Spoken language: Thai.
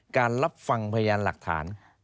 การรับฟังพยายามหลักฐาน